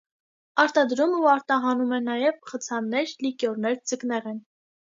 Արտադրում ու արտահանում է նաև խցաններ, լիկյորներ, ձկնեղեն։